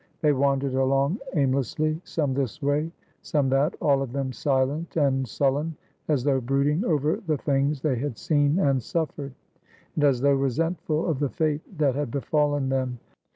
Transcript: They wandered along aim lessly, some this way, some that, all of them silent and sullen, as though brooding over the things they had seen and suffered, and as though resentful of the fate that had befallen them.